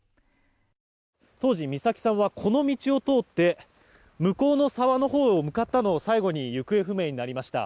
当時、美咲さんはこの道を通って向こうの沢のほうへ向かったのを最後に行方不明になりました。